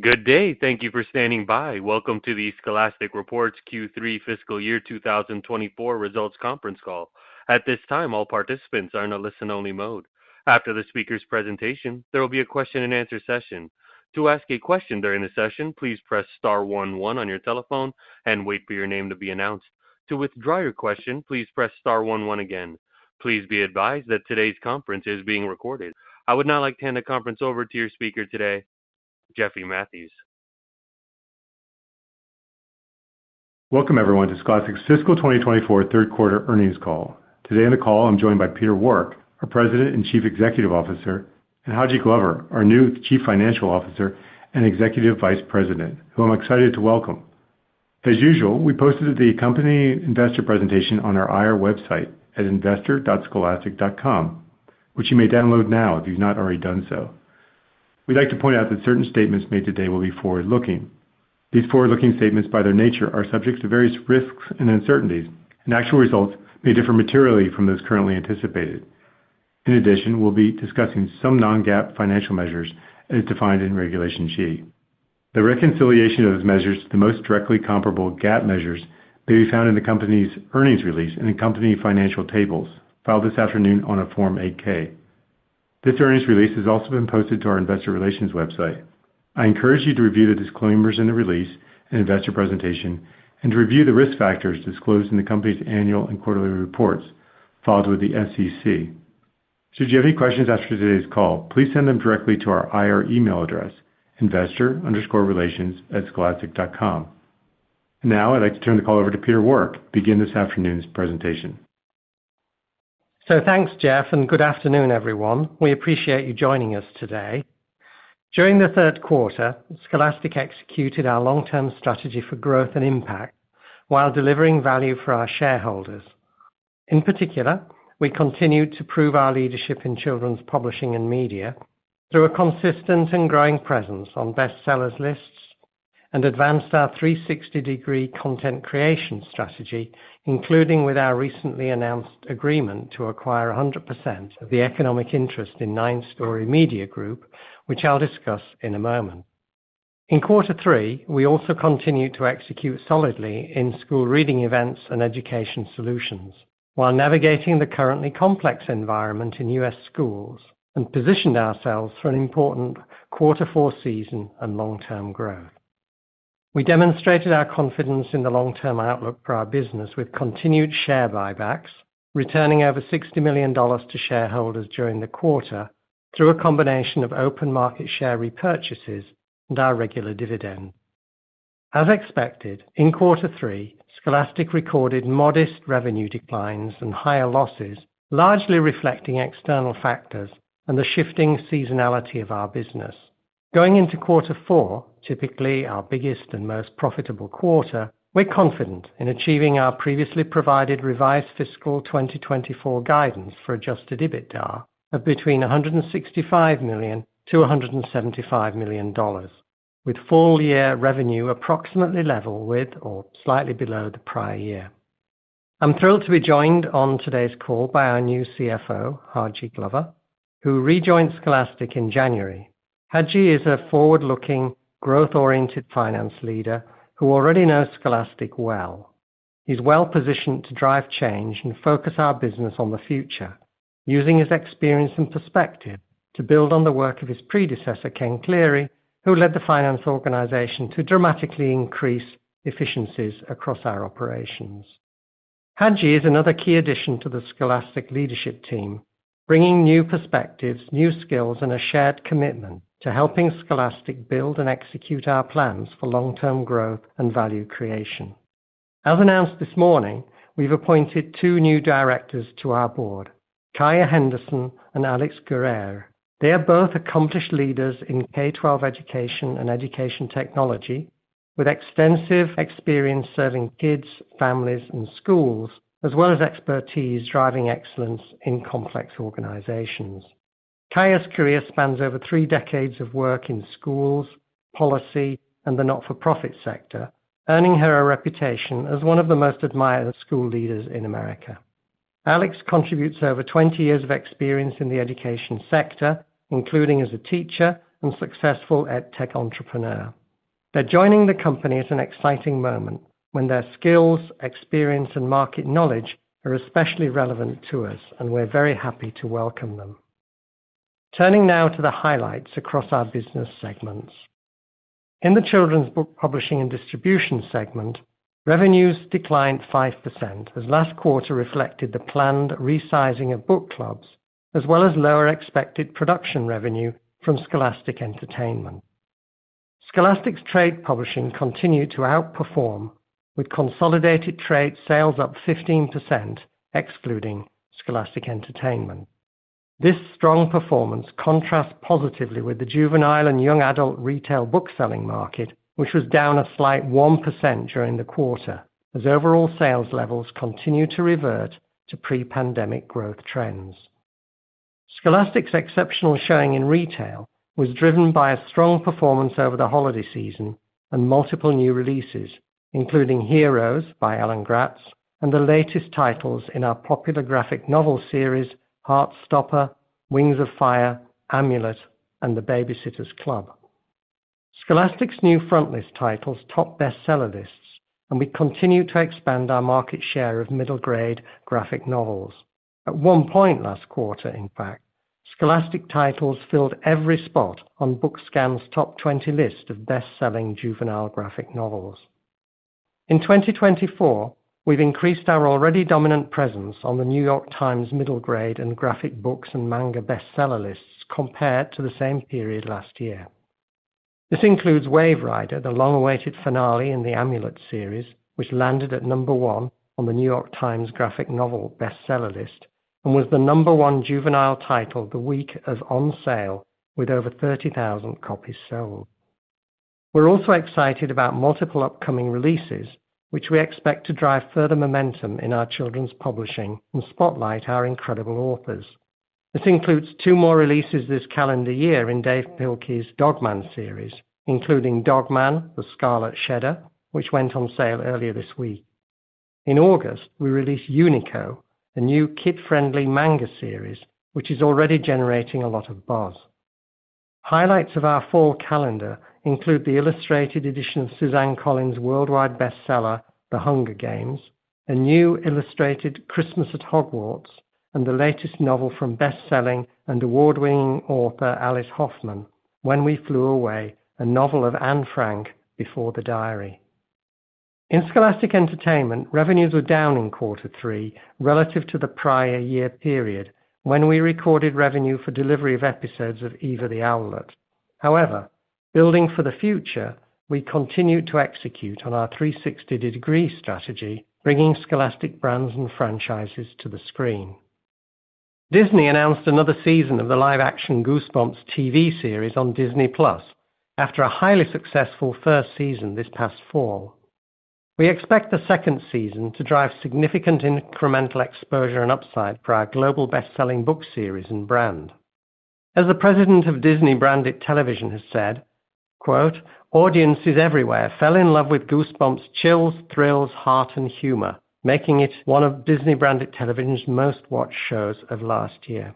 Good day, thank you for standing by. Welcome to the Scholastic Reports Q3 Fiscal Year 2024 results conference call. At this time, all participants are in a listen-only mode. After the speaker's presentation, there will be a question-and-answer session. To ask a question during the session, please press star one one on your telephone and wait for your name to be announced. To withdraw your question, please press star one one again. Please be advised that today's conference is being recorded. I would now like to hand the conference over to your speaker today, Jeffrey Mathews. Welcome, everyone, to Scholastic's Fiscal 2024 third-quarter earnings call. Today in the call, I'm joined by Peter Warwick, our President and Chief Executive Officer, and Haji Glover, our new Chief Financial Officer and Executive Vice President, who I'm excited to welcome. As usual, we posted the company investor presentation on our IR website at investor.scholastic.com, which you may download now if you've not already done so. We'd like to point out that certain statements made today will be forward-looking. These forward-looking statements, by their nature, are subject to various risks and uncertainties, and actual results may differ materially from those currently anticipated. In addition, we'll be discussing some Non-GAAP financial measures as defined in Regulation G. The reconciliation of those measures to the most directly comparable GAAP measures may be found in the company's earnings release and in company financial tables, filed this afternoon on a Form 8-K. This earnings release has also been posted to our investor relations website. I encourage you to review the disclaimers in the release and investor presentation and to review the risk factors disclosed in the company's annual and quarterly reports, filed with the SEC. Should you have any questions after today's call, please send them directly to our IR email address, investor_relations@scholastic.com. Now I'd like to turn the call over to Peter Warwick to begin this afternoon's presentation. So thanks, Jeff, and good afternoon, everyone. We appreciate you joining us today. During the third quarter, Scholastic executed our long-term strategy for growth and impact while delivering value for our shareholders. In particular, we continued to prove our leadership in children's publishing and media through a consistent and growing presence on bestsellers lists and advanced our 360-degree content creation strategy, including with our recently announced agreement to acquire 100% of the economic interest in 9 Story Media Group, which I'll discuss in a moment. In quarter three, we also continued to execute solidly in school reading events and education solutions while navigating the currently complex environment in U.S. schools and positioned ourselves for an important quarter four season and long-term growth. We demonstrated our confidence in the long-term outlook for our business with continued share buybacks, returning over $60 million to shareholders during the quarter through a combination of open market share repurchases and our regular dividend. As expected, in quarter three, Scholastic recorded modest revenue declines and higher losses, largely reflecting external factors and the shifting seasonality of our business. Going into quarter four, typically our biggest and most profitable quarter, we're confident in achieving our previously provided revised fiscal 2024 guidance for adjusted EBITDA of between $165 million-$175 million, with full-year revenue approximately level with or slightly below the prior year. I'm thrilled to be joined on today's call by our new CFO, Haji Glover, who rejoined Scholastic in January. Haji is a forward-looking, growth-oriented finance leader who already knows Scholastic well. He's well positioned to drive change and focus our business on the future, using his experience and perspective to build on the work of his predecessor, Ken Cleary, who led the finance organization to dramatically increase efficiencies across our operations. Haji is another key addition to the Scholastic leadership team, bringing new perspectives, new skills, and a shared commitment to helping Scholastic build and execute our plans for long-term growth and value creation. As announced this morning, we've appointed two new directors to our board, Kaya Henderson and Alix Guerrier. They are both accomplished leaders in K-12 education and education technology, with extensive experience serving kids, families, and schools, as well as expertise driving excellence in complex organizations. Kaya's career spans over three decades of work in schools, policy, and the not-for-profit sector, earning her a reputation as one of the most admired school leaders in America. Alix contributes over 20 years of experience in the education sector, including as a teacher and successful EdTech entrepreneur. They're joining the company at an exciting moment when their skills, experience, and market knowledge are especially relevant to us, and we're very happy to welcome them. Turning now to the highlights across our business segments. In the children's book publishing and distribution segment, revenues declined 5%, as last quarter reflected the planned resizing of book clubs, as well as lower expected production revenue from Scholastic Entertainment. Scholastic's trade publishing continued to outperform, with consolidated trade sales up 15%, excluding Scholastic Entertainment. This strong performance contrasts positively with the juvenile and young adult retail bookselling market, which was down a slight 1% during the quarter, as overall sales levels continue to revert to pre-pandemic growth trends. Scholastic's exceptional showing in retail was driven by a strong performance over the holiday season and multiple new releases, including Heroes by Alan Gratz and the latest titles in our popular graphic novel series, Heartstopper, Wings of Fire, Amulet, and The Baby-sitters Club. Scholastic's new frontlist titles top bestseller lists, and we continue to expand our market share of middle-grade graphic novels. At one point last quarter, in fact, Scholastic titles filled every spot on BookScan's top 20 list of bestselling juvenile graphic novels. In 2024, we've increased our already dominant presence on the New York Times middle-grade and graphic books and manga bestseller lists compared to the same period last year. This includes Waverider, the long-awaited finale in the Amulet series, which landed at number one on the New York Times graphic novel bestseller list and was the number one juvenile title the week of on sale, with over 30,000 copies sold. We're also excited about multiple upcoming releases, which we expect to drive further momentum in our children's publishing and spotlight our incredible authors. This includes two more releases this calendar year in Dav Pilkey's Dog Man series, including Dog Man: The Scarlet Shedder, which went on sale earlier this week. In August, we release Unico, a new kid-friendly manga series which is already generating a lot of buzz. Highlights of our fall calendar include the illustrated edition of Suzanne Collins' worldwide bestseller, The Hunger Games, a new illustrated Christmas at Hogwarts, and the latest novel from bestselling and award-winning author Alice Hoffman, When We Flew Away, a novel of Anne Frank before The Diary. In Scholastic Entertainment, revenues were down in quarter three relative to the prior year period, when we recorded revenue for delivery of episodes of Eva the Owlet. However, building for the future, we continue to execute on our 360-degree strategy, bringing Scholastic brands and franchises to the screen. Disney announced another season of the live-action Goosebumps TV series on Disney+ after a highly successful first season this past fall. We expect the second season to drive significant incremental exposure and upside for our global bestselling book series and brand. As the President of Disney Branded Television has said, "Audiences everywhere fell in love with Goosebumps' chills, thrills, heart, and humor, making it one of Disney Branded Television's most-watched shows of last year."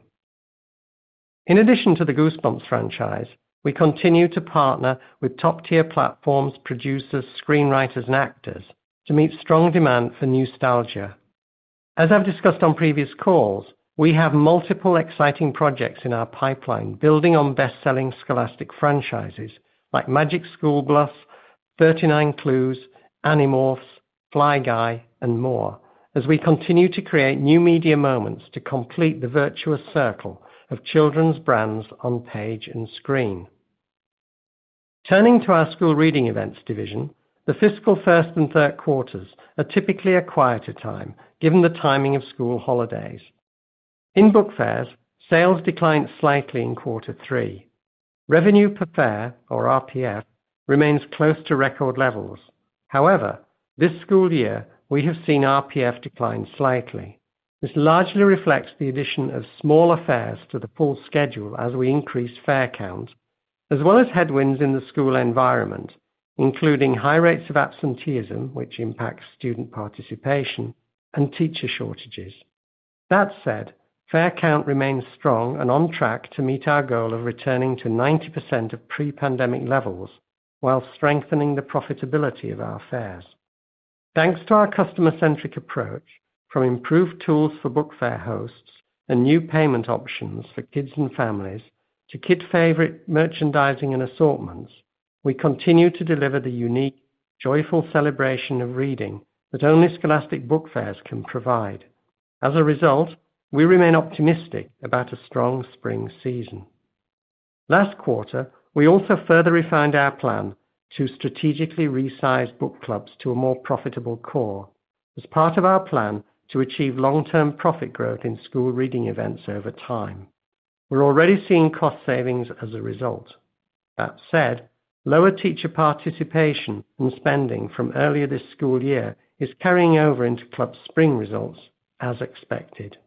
In addition to the Goosebumps franchise, we continue to partner with top-tier platforms, producers, screenwriters, and actors to meet strong demand for nostalgia. As I've discussed on previous calls, we have multiple exciting projects in our pipeline building on bestselling Scholastic franchises like Magic School Bus, 39 Clues, Animorphs, Fly Guy, and more, as we continue to create new media moments to complete the virtuous circle of children's brands on page and screen. Turning to our school reading events division, the fiscal first and third quarters are typically a quieter time, given the timing of school holidays. In book fairs, sales declined slightly in quarter three. Revenue per fair, or RPF, remains close to record levels. However, this school year, we have seen RPF decline slightly. This largely reflects the addition of smaller fairs to the full schedule as we increase fair count, as well as headwinds in the school environment, including high rates of absenteeism, which impacts student participation, and teacher shortages. That said, fair count remains strong and on track to meet our goal of returning to 90% of pre-pandemic levels while strengthening the profitability of our fairs. Thanks to our customer-centric approach, from improved tools for book fair hosts and new payment options for kids and families to kid-favorite merchandising and assortments, we continue to deliver the unique, joyful celebration of reading that only Scholastic book fairs can provide. As a result, we remain optimistic about a strong spring season. Last quarter, we also further refined our plan to strategically resize book clubs to a more profitable core as part of our plan to achieve long-term profit growth in school reading events over time. We're already seeing cost savings as a result. That said, lower teacher participation and spending from earlier this school year is carrying over into club spring results, as expected.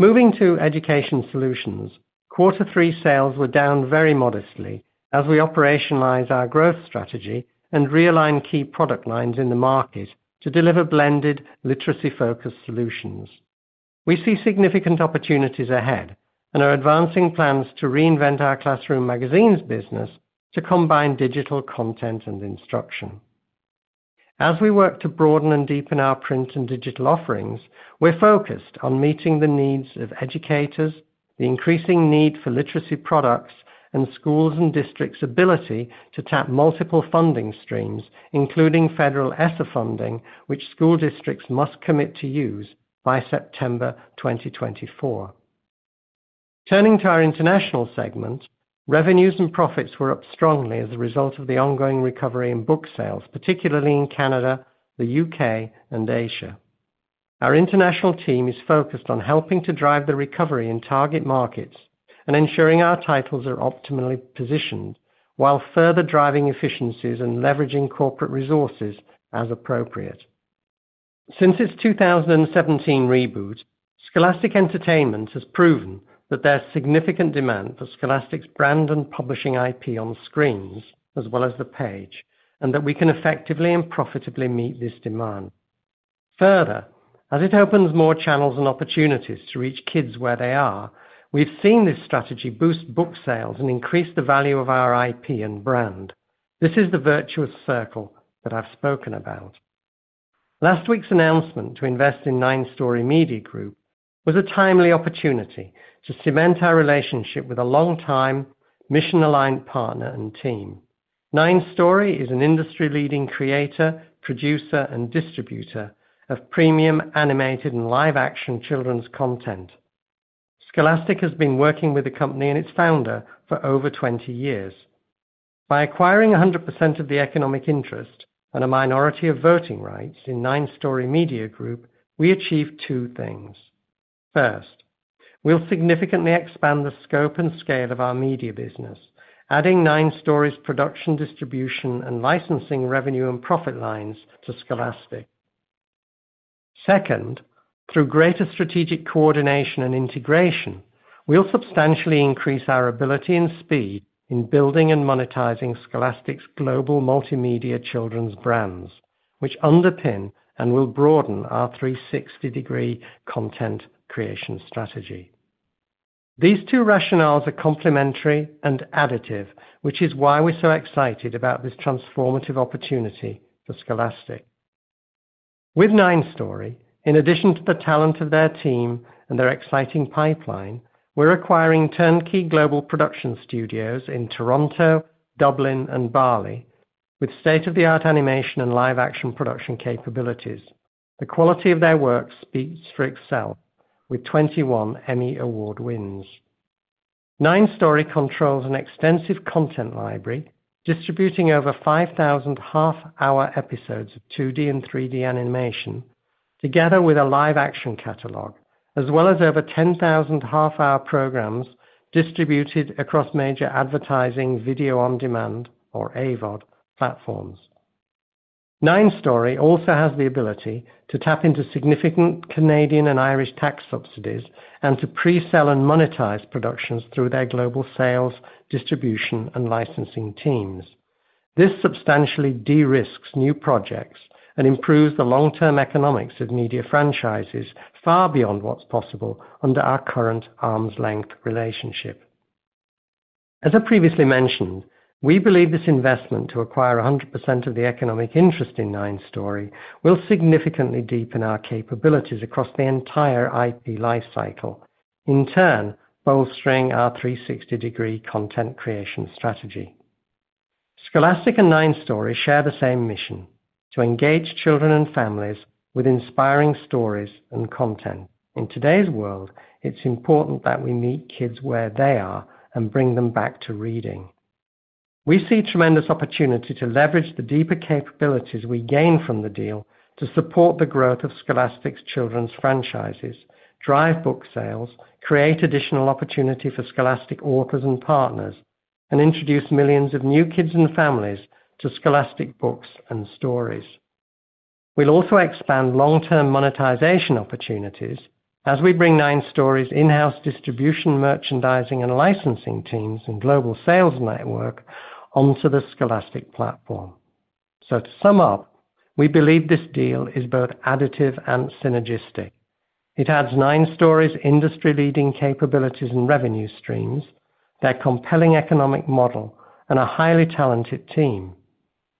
Moving to education solutions, quarter three sales were down very modestly as we operationalized our growth strategy and realigned key product lines in the market to deliver blended, literacy-focused solutions. We see significant opportunities ahead and are advancing plans to reinvent our classroom magazines business to combine digital content and instruction. As we work to broaden and deepen our print and digital offerings, we're focused on meeting the needs of educators, the increasing need for literacy products, and schools and districts' ability to tap multiple funding streams, including federal ESSA funding, which school districts must commit to use by September 2024. Turning to our international segment, revenues and profits were up strongly as a result of the ongoing recovery in book sales, particularly in Canada, the U.K., and Asia. Our international team is focused on helping to drive the recovery in target markets and ensuring our titles are optimally positioned while further driving efficiencies and leveraging corporate resources as appropriate. Since its 2017 reboot, Scholastic Entertainment has proven that there's significant demand for Scholastic's brand and publishing IP on screens as well as the page, and that we can effectively and profitably meet this demand. Further, as it opens more channels and opportunities to reach kids where they are, we've seen this strategy boost book sales and increase the value of our IP and brand. This is the virtuous circle that I've spoken about. Last week's announcement to invest in 9 Story Media Group was a timely opportunity to cement our relationship with a long-time, mission-aligned partner and team. 9 Story is an industry-leading creator, producer, and distributor of premium animated and live-action children's content. Scholastic has been working with the company and its founder for over 20 years. By acquiring 100% of the economic interest and a minority of voting rights in 9 Story Media Group, we achieve two things. First, we'll significantly expand the scope and scale of our media business, adding 9 Story's production, distribution, and licensing revenue and profit lines to Scholastic. Second, through greater strategic coordination and integration, we'll substantially increase our ability and speed in building and monetizing Scholastic's global multimedia children's brands, which underpin and will broaden our 360-degree content creation strategy. These two rationales are complementary and additive, which is why we're so excited about this transformative opportunity for Scholastic. With 9 Story, in addition to the talent of their team and their exciting pipeline, we're acquiring turnkey global production studios in Toronto, Dublin, and Bali, with state-of-the-art animation and live-action production capabilities. The quality of their work speaks for itself, with 21 Emmy Award wins. 9 Story controls an extensive content library, distributing over 5,000 half-hour episodes of 2D and 3D animation, together with a live-action catalog, as well as over 10,000 half-hour programs distributed across major advertising, video on demand, or AVOD, platforms. 9 Story also has the ability to tap into significant Canadian and Irish tax subsidies and to pre-sell and monetize productions through their global sales, distribution, and licensing teams. This substantially de-risks new projects and improves the long-term economics of media franchises far beyond what's possible under our current arm's length relationship. As I previously mentioned, we believe this investment to acquire 100% of the economic interest in 9 Story will significantly deepen our capabilities across the entire IP lifecycle, in turn bolstering our 360-degree content creation strategy. Scholastic and 9 Story share the same mission: to engage children and families with inspiring stories and content. In today's world, it's important that we meet kids where they are and bring them back to reading. We see tremendous opportunity to leverage the deeper capabilities we gain from the deal to support the growth of Scholastic's children's franchises, drive book sales, create additional opportunity for Scholastic authors and partners, and introduce millions of new kids and families to Scholastic books and stories. We'll also expand long-term monetization opportunities as we bring 9 Story's in-house distribution, merchandising, and licensing teams and global sales network onto the Scholastic platform. So to sum up, we believe this deal is both additive and synergistic. It adds 9 Story's industry-leading capabilities and revenue streams, their compelling economic model, and a highly talented team.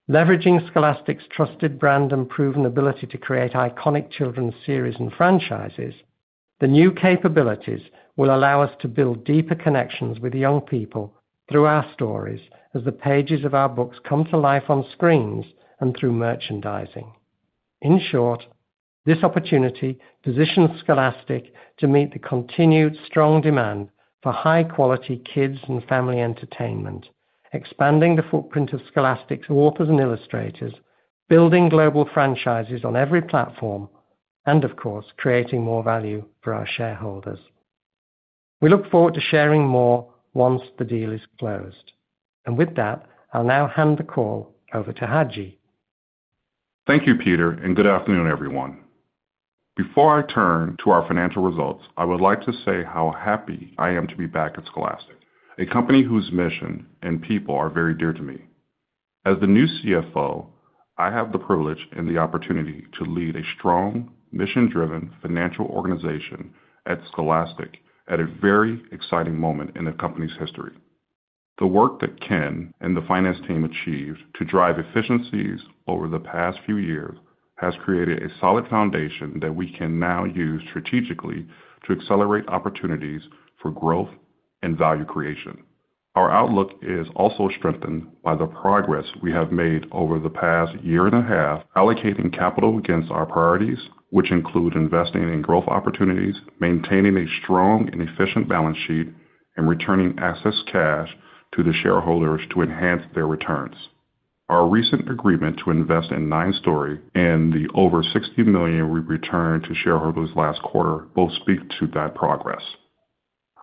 Leveraging Scholastic's trusted brand and proven ability to create iconic children's series and franchises, the new capabilities will allow us to build deeper connections with young people through our stories as the pages of our books come to life on screens and through merchandising. In short, this opportunity positions Scholastic to meet the continued strong demand for high-quality kids and family entertainment, expanding the footprint of Scholastic's authors and illustrators, building global franchises on every platform, and, of course, creating more value for our shareholders. We look forward to sharing more once the deal is closed. And with that, I'll now hand the call over to Haji. Thank you, Peter, and good afternoon, everyone. Before I turn to our financial results, I would like to say how happy I am to be back at Scholastic, a company whose mission and people are very dear to me. As the new CFO, I have the privilege and the opportunity to lead a strong, mission-driven financial organization at Scholastic at a very exciting moment in the company's history. The work that Ken and the finance team achieved to drive efficiencies over the past few years has created a solid foundation that we can now use strategically to accelerate opportunities for growth and value creation. Our outlook is also strengthened by the progress we have made over the past year and a half allocating capital against our priorities, which include investing in growth opportunities, maintaining a strong and efficient balance sheet, and returning excess cash to the shareholders to enhance their returns. Our recent agreement to invest in 9 Story and the over $60 million we returned to shareholders last quarter both speak to that progress.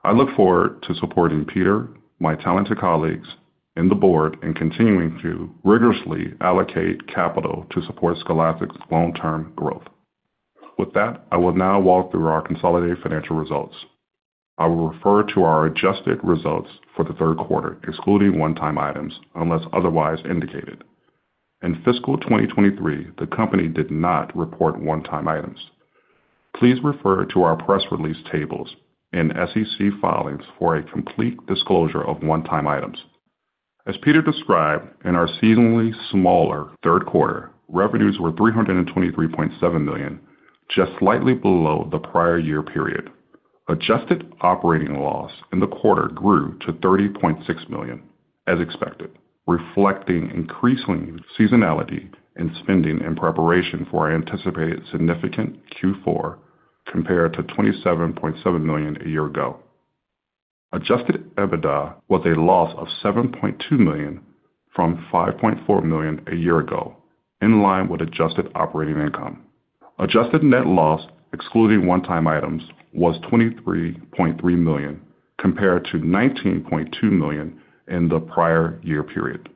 I look forward to supporting Peter, my talented colleagues in the board, and continuing to rigorously allocate capital to support Scholastic's long-term growth. With that, I will now walk through our consolidated financial results. I will refer to our adjusted results for the third quarter, excluding one-time items, unless otherwise indicated. In fiscal 2023, the company did not report one-time items. Please refer to our press release tables and SEC filings for a complete disclosure of one-time items. As Peter described, in our seasonally smaller third quarter, revenues were $323.7 million, just slightly below the prior year period. Adjusted operating loss in the quarter grew to $30.6 million, as expected, reflecting increasing seasonality in spending in preparation for our anticipated significant Q4 compared to $27.7 million a year ago. Adjusted EBITDA was a loss of $7.2 million from $5.4 million a year ago, in line with adjusted operating income. Adjusted net loss, excluding one-time items, was $23.3 million compared to $19.2 million in the prior year period.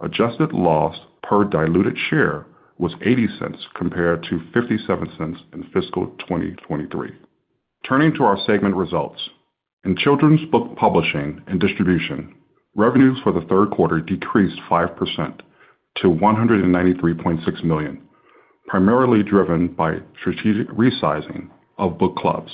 Adjusted loss per diluted share was $0.80 compared to $0.57 in fiscal 2023. Turning to our segment results, in children's book publishing and distribution, revenues for the third quarter decreased 5% to $193.6 million, primarily driven by strategic resizing of book clubs.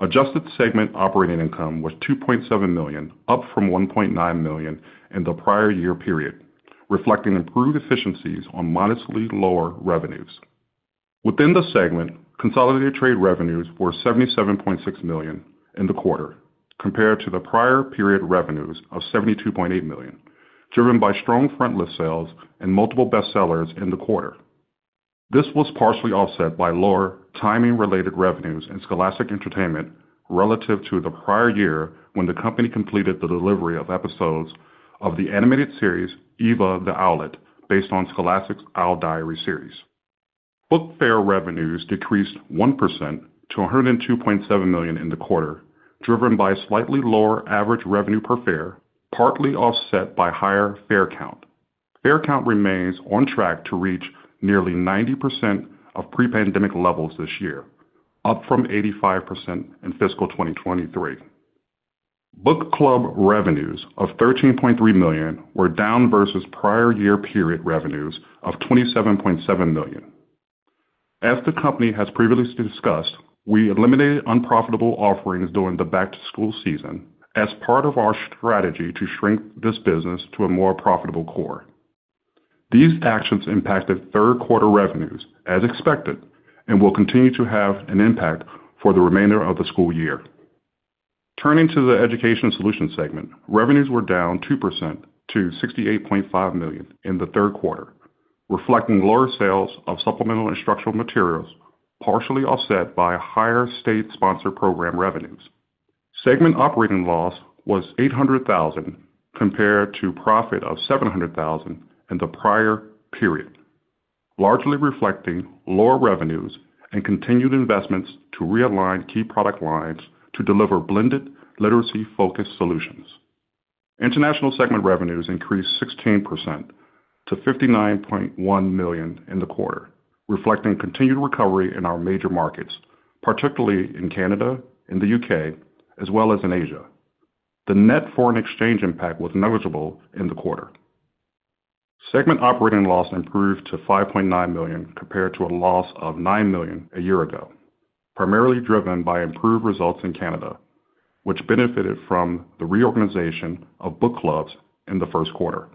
Adjusted segment operating income was $2.7 million, up from $1.9 million in the prior year period, reflecting improved efficiencies on modestly lower revenues. Within the segment, consolidated trade revenues were $77.6 million in the quarter compared to the prior period revenues of $72.8 million, driven by strong frontlist sales and multiple bestsellers in the quarter. This was partially offset by lower timing-related revenues in Scholastic Entertainment relative to the prior year when the company completed the delivery of episodes of the animated series Eva the Owlet based on Scholastic's Owl Diaries series. Book fair revenues decreased 1% to $102.7 million in the quarter, driven by slightly lower average revenue per fair, partly offset by higher fair count. Fair count remains on track to reach nearly 90% of pre-pandemic levels this year, up from 85% in fiscal 2023. Book club revenues of $13.3 million were down versus prior year period revenues of $27.7 million. As the company has previously discussed, we eliminated unprofitable offerings during the back-to-school season as part of our strategy to shrink this business to a more profitable core. These actions impacted third quarter revenues, as expected, and will continue to have an impact for the remainder of the school year. Turning to the education solutions segment, revenues were down 2% to $68.5 million in the third quarter, reflecting lower sales of supplemental instructional materials, partially offset by higher state-sponsored program revenues. Segment operating loss was $800,000 compared to profit of $700,000 in the prior period, largely reflecting lower revenues and continued investments to realign key product lines to deliver blended literacy-focused solutions. International segment revenues increased 16% to $59.1 million in the quarter, reflecting continued recovery in our major markets, particularly in Canada, in the U.K., as well as in Asia. The net foreign exchange impact was negligible in the quarter. Segment operating loss improved to $5.9 million compared to a loss of $9 million a year ago, primarily driven by improved results in Canada, which benefited from the reorganization of book clubs in the first quarter.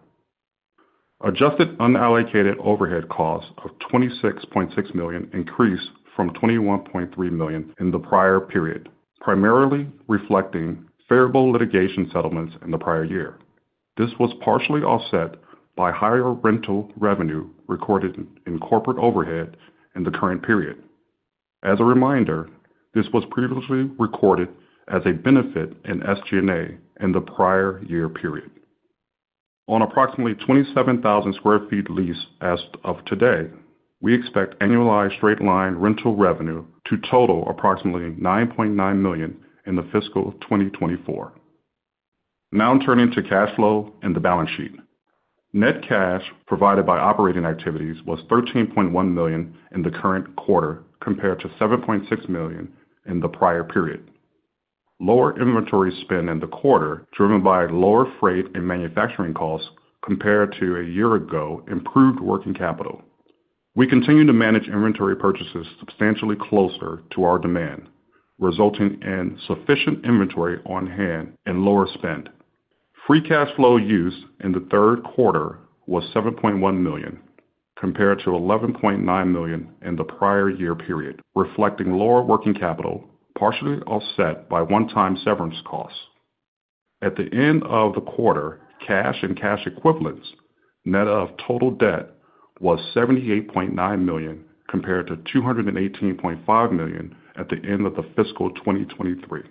Adjusted unallocated overhead costs of $26.6 million increased from $21.3 million in the prior period, primarily reflecting favorable litigation settlements in the prior year. This was partially offset by higher rental revenue recorded in corporate overhead in the current period. As a reminder, this was previously recorded as a benefit in SG&A in the prior year period. On approximately 27,000 sq ft lease as of today, we expect annualized straight-line rental revenue to total approximately $9.9 million in fiscal 2024. Now turning to cash flow and the balance sheet. Net cash provided by operating activities was $13.1 million in the current quarter compared to $7.6 million in the prior period. Lower inventory spend in the quarter, driven by lower freight and manufacturing costs compared to a year ago, improved working capital. We continue to manage inventory purchases substantially closer to our demand, resulting in sufficient inventory on hand and lower spend. Free cash flow used in the third quarter was $7.1 million compared to $11.9 million in the prior year period, reflecting lower working capital, partially offset by one-time severance costs. At the end of the quarter, cash and cash equivalents, net of total debt, was $78.9 million compared to $218.5 million at the end of the fiscal 2023.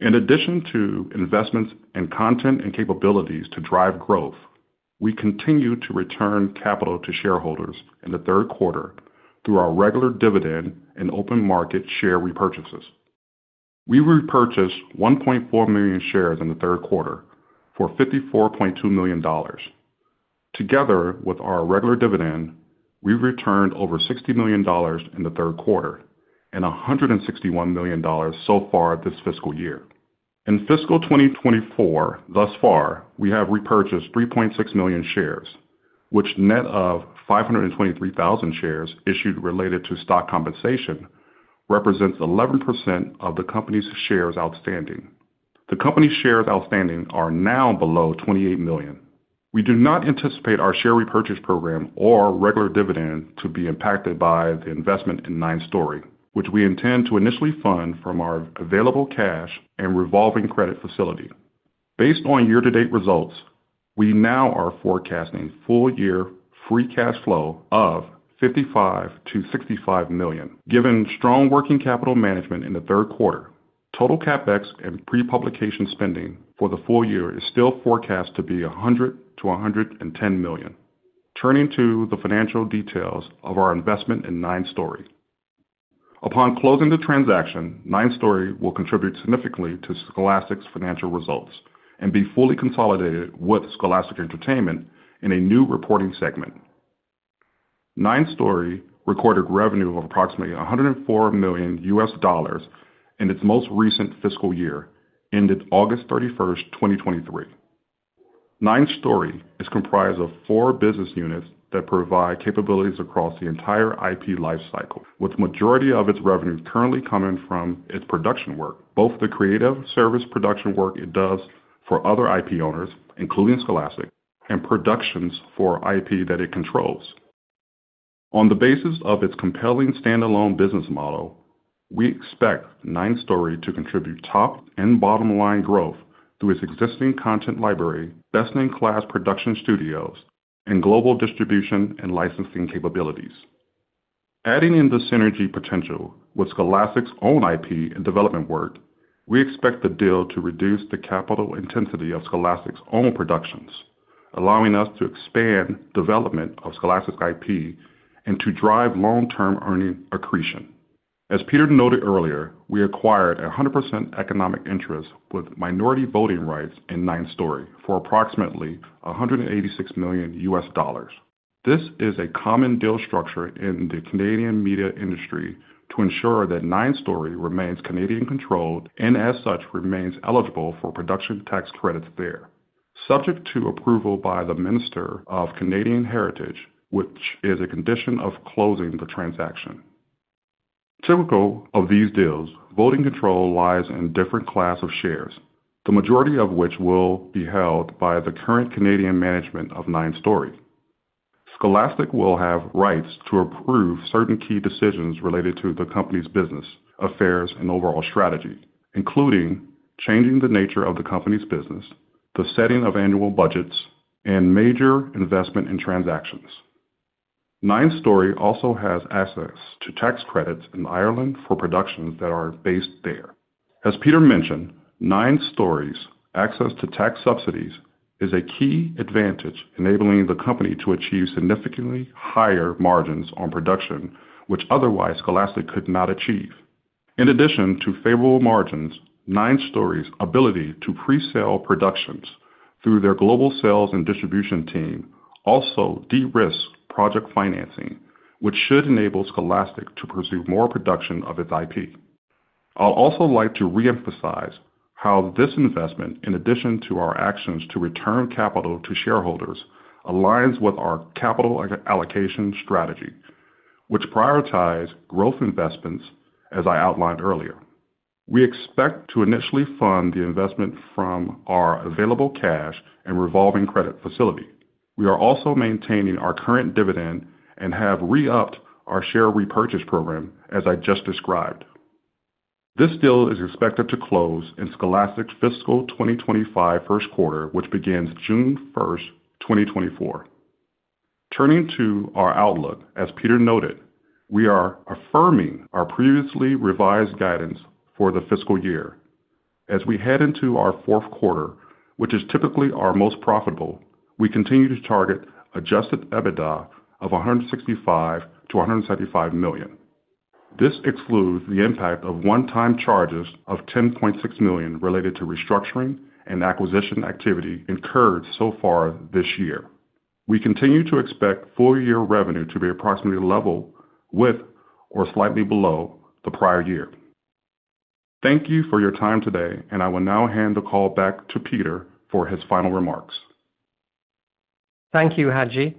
In addition to investments in content and capabilities to drive growth, we continue to return capital to shareholders in the third quarter through our regular dividend and open-market share repurchases. We repurchased 1.4 million shares in the third quarter for $54.2 million. Together with our regular dividend, we returned over $60 million in the third quarter and $161 million so far this fiscal year. In fiscal 2024 thus far, we have repurchased 3.6 million shares, which net of 523,000 shares issued related to stock compensation represents 11% of the company's shares outstanding. The company's shares outstanding are now below 28 million. We do not anticipate our share repurchase program or regular dividend to be impacted by the investment in 9 Story, which we intend to initially fund from our available cash and revolving credit facility. Based on year-to-date results, we now are forecasting full-year free cash flow of $55 million-$65 million. Given strong working capital management in the third quarter, total CapEx and pre-publication spending for the full year is still forecast to be $100 million-$110 million. Turning to the financial details of our investment in 9 Story. Upon closing the transaction, 9 Story will contribute significantly to Scholastic's financial results and be fully consolidated with Scholastic Entertainment in a new reporting segment. 9 Story recorded revenue of approximately $104 million in its most recent fiscal year, ended August 31st, 2023. 9 Story is comprised of four business units that provide capabilities across the entire IP lifecycle, with the majority of its revenue currently coming from its production work, both the creative service production work it does for other IP owners, including Scholastic, and productions for IP that it controls. On the basis of its compelling standalone business model, we expect 9 Story to contribute top and bottom-line growth through its existing content library, best-in-class production studios, and global distribution and licensing capabilities. Adding in the synergy potential with Scholastic's own IP and development work, we expect the deal to reduce the capital intensity of Scholastic's own productions, allowing us to expand development of Scholastic IP and to drive long-term earning accretion. As Peter noted earlier, we acquired 100% economic interest with minority voting rights in 9 Story for approximately $186 million. This is a common deal structure in the Canadian media industry to ensure that 9 Story remains Canadian-controlled and, as such, remains eligible for production tax credits there, subject to approval by the Minister of Canadian Heritage, which is a condition of closing the transaction. Typical of these deals, voting control lies in different classes of shares, the majority of which will be held by the current Canadian management of 9 Story. Scholastic will have rights to approve certain key decisions related to the company's business, affairs, and overall strategy, including changing the nature of the company's business, the setting of annual budgets, and major investment and transactions. 9 Story also has access to tax credits in Ireland for productions that are based there. As Peter mentioned, 9 Story's access to tax subsidies is a key advantage, enabling the company to achieve significantly higher margins on production, which otherwise Scholastic could not achieve. In addition to favorable margins, 9 Story's ability to pre-sell productions through their global sales and distribution team also de-risks project financing, which should enable Scholastic to pursue more production of its IP. I'll also like to reemphasize how this investment, in addition to our actions to return capital to shareholders, aligns with our capital allocation strategy, which prioritizes growth investments, as I outlined earlier. We expect to initially fund the investment from our available cash and revolving credit facility. We are also maintaining our current dividend and have re-upped our share repurchase program, as I just described. This deal is expected to close in Scholastic's fiscal 2025 first quarter, which begins June 1st, 2024. Turning to our outlook, as Peter noted, we are affirming our previously revised guidance for the fiscal year. As we head into our fourth quarter, which is typically our most profitable, we continue to target adjusted EBITDA of $165 million-$175 million. This excludes the impact of one-time charges of $10.6 million related to restructuring and acquisition activity incurred so far this year. We continue to expect full-year revenue to be approximately level with or slightly below the prior year. Thank you for your time today, and I will now hand the call back to Peter for his final remarks. Thank you, Haji.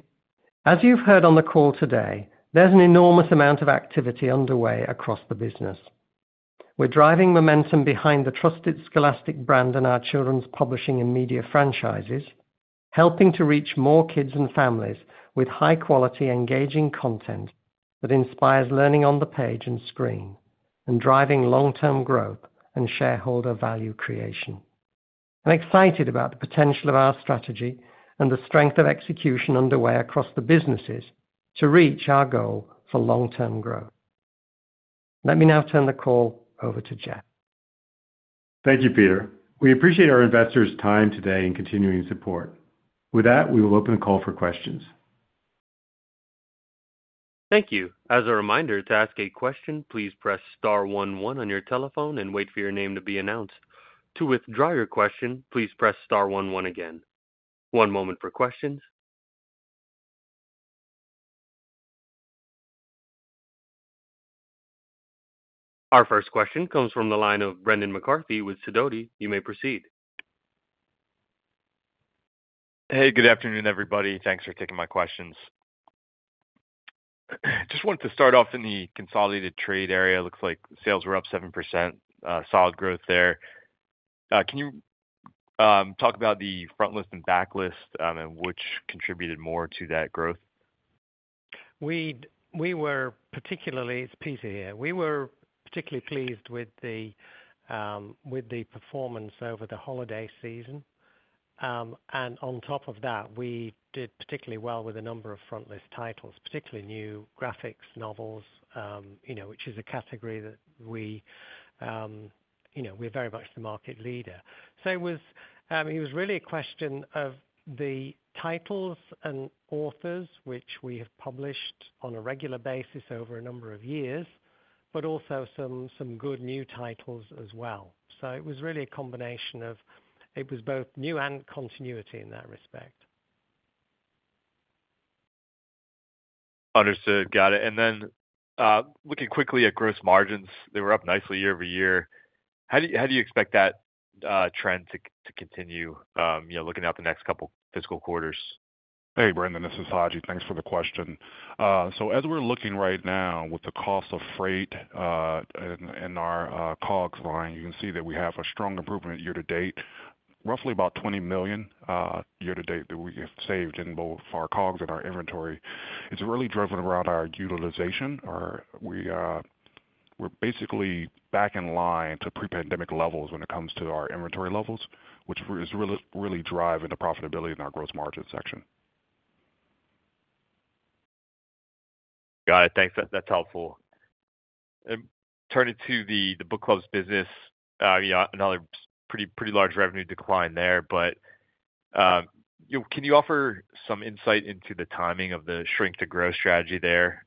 As you've heard on the call today, there's an enormous amount of activity underway across the business. We're driving momentum behind the trusted Scholastic brand and our children's publishing and media franchises, helping to reach more kids and families with high-quality, engaging content that inspires learning on the page and screen, and driving long-term growth and shareholder value creation. I'm excited about the potential of our strategy and the strength of execution underway across the businesses to reach our goal for long-term growth. Let me now turn the call over to Jeff. Thank you, Peter. We appreciate our investors' time today and continuing support. With that, we will open the call for questions. Thank you. As a reminder, to ask a question, please press star one one on your telephone and wait for your name to be announced. To withdraw your question, please press star one one again. One moment for questions. Our first question comes from the line of Brendan McCarthy with Sidoti. You may proceed. Hey, good afternoon, everybody. Thanks for taking my questions. Just wanted to start off in the consolidated trade area. Looks like sales were up 7%, solid growth there. Can you talk about the frontlist and backlist and which contributed more to that growth? It's Peter here. We were particularly pleased with the performance over the holiday season. On top of that, we did particularly well with a number of frontlist titles, particularly new graphic novels, which is a category that we're very much the market leader. So it was really a question of the titles and authors, which we have published on a regular basis over a number of years, but also some good new titles as well. So it was really a combination of it was both new and continuity in that respect. Understood. Got it. And then looking quickly at gross margins, they were up nicely year-over-year. How do you expect that trend to continue looking out the next couple of fiscal quarters? Hey, Brendan. This is Haji. Thanks for the question. So as we're looking right now with the cost of freight in our COGS line, you can see that we have a strong improvement year to date, roughly about $20 million year to date that we have saved in both our COGS and our inventory. It's really driven around our utilization. We're basically back in line to pre-pandemic levels when it comes to our inventory levels, which is really driving the profitability in our gross margin section. Got it. Thanks. That's helpful. Turning to the book clubs business, another pretty large revenue decline there. But can you offer some insight into the timing of the shrink-to-growth strategy there,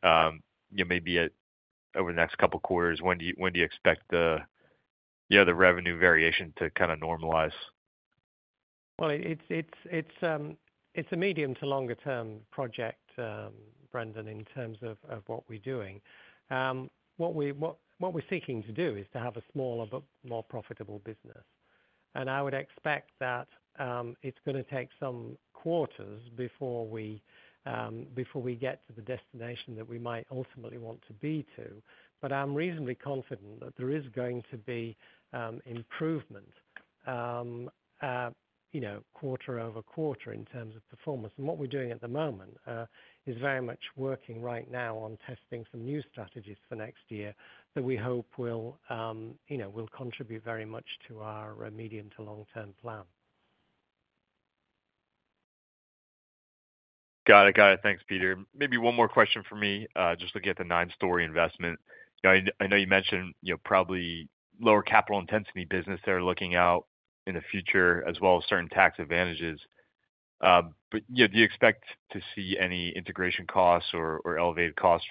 maybe over the next couple of quarters? When do you expect the revenue variation to kind of normalize? Well, it's a medium- to longer-term project, Brendan, in terms of what we're doing. What we're seeking to do is to have a smaller, but more profitable business. And I would expect that it's going to take some quarters before we get to the destination that we might ultimately want to be to. But I'm reasonably confident that there is going to be improvement quarter-over-quarter in terms of performance. And what we're doing at the moment is very much working right now on testing some new strategies for next year that we hope will contribute very much to our medium- to long-term plan. Got it. Got it. Thanks, Peter. Maybe one more question for me, just looking at the 9 Story investment. I know you mentioned probably lower capital intensity business they're looking out in the future, as well as certain tax advantages. But do you expect to see any integration costs or elevated costs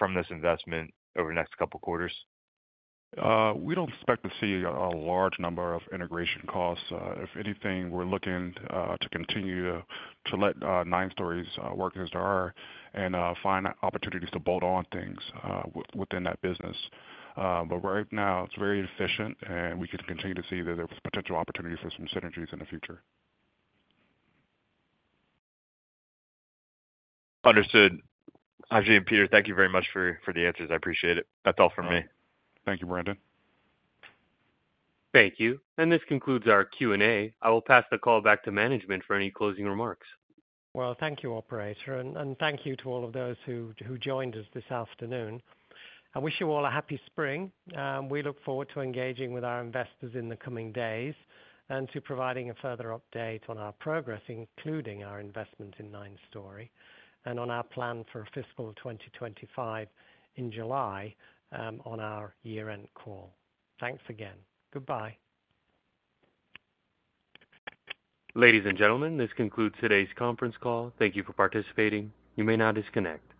from this investment over the next couple of quarters? We don't expect to see a large number of integration costs. If anything, we're looking to continue to let 9 Story work as they are and find opportunities to bolt on things within that business. But right now, it's very efficient, and we can continue to see that there's potential opportunity for some synergies in the future. Understood. Haji and Peter, thank you very much for the answers. I appreciate it. That's all from me. Thank you, Brendan. Thank you. This concludes our Q&A. I will pass the call back to management for any closing remarks. Well, thank you, operator. Thank you to all of those who joined us this afternoon. I wish you all a happy spring. We look forward to engaging with our investors in the coming days and to providing a further update on our progress, including our investment in 9 Story and on our plan for fiscal 2025 in July on our year-end call. Thanks again. Goodbye. Ladies and gentlemen, this concludes today's conference call. Thank you for participating. You may now disconnect.